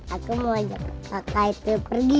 aku mau ajak kakak itu pergi